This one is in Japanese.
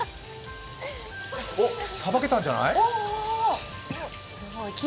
お、さばけたんじゃない？